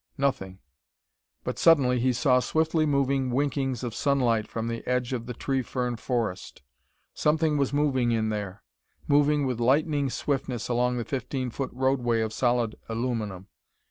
Nothing.... But suddenly he saw swiftly moving winkings of sunlight from the edge of the tree fern forest. Something was moving in there, moving with lightning swiftness along the fifteen foot roadway of solid aluminum.